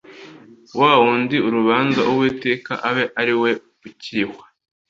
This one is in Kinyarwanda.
wa wundi urubanza Uwiteka abe ari we ukirihwa